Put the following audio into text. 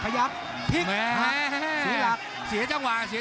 ภูตวรรณสิทธิ์บุญมีน้ำเงิน